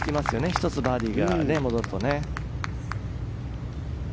１つバーディーが戻るとね。